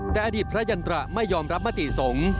แต่อดีตพระยันตระไม่ยอมรับมติสงฆ์